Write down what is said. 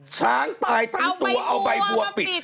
ช้างตายต้องเป็นตัวเอาใบบัวปิด